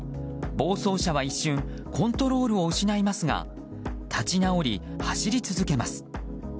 暴走車は一瞬コントロールを失いますが立ち直り、走り続けます。